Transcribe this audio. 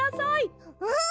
うん！